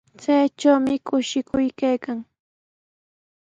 Chaytrawmi kushikuy kan.